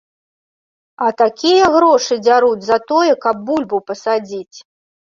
А такія грошы дзяруць за тое, каб бульбу пасадзіць!